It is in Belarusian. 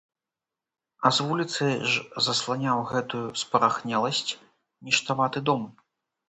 А з вуліцы ж засланяў гэтую спарахнеласць ніштаваты дом.